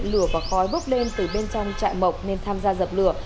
phát hiện lửa và khói bốc lên từ bên trong trại mộc nên tham gia dập lửa